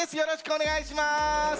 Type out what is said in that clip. お願いします。